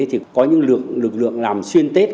thì có những lực lượng làm xuyên tết